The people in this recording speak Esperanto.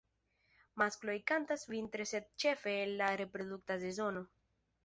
Maskloj kantas vintre sed ĉefe en la reprodukta sezono.